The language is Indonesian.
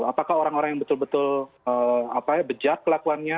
apakah orang orang yang betul betul bejak kelakuannya